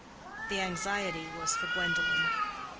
The anxiety was for Gwendolen.